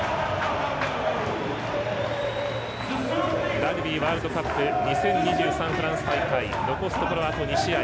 ラグビーワールドカップ２０２３、フランス大会残すところ、あと２試合。